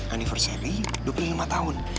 anniversary dukung lima tahun